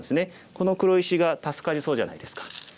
この黒石が助かりそうじゃないですか。